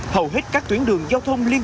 hầu hết các tuyến đường giao thông như thế này